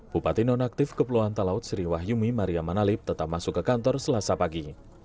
bupati nonaktif kepulauan talaut sri wahyumi maria manalip tetap masuk ke kantor selasa pagi